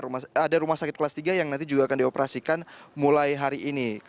ada rumah sakit kelas tiga yang nanti juga akan dioperasikan mulai hari ini